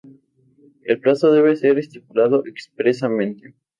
El plazo debe ser estipulado expresamente.